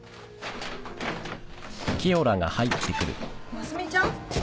真澄ちゃん。